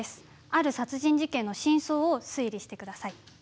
ある殺人事件の真相を推理してください。